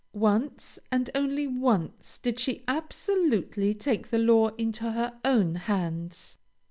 Once, and only once, did she absolutely take the law into her own hands.